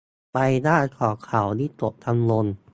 ใบหน้าของเขาวิตกกังวล